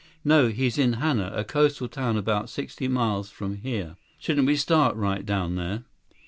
"No. He's in Hana, a coastal town about sixty miles from here." "Shouldn't we start right down there?"